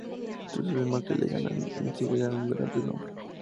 Sus esmaltes le ganan enseguida un gran renombre.